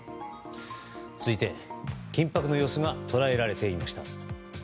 続いて、緊迫の様子が捉えられていました。